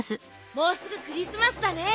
もうすぐクリスマスだね。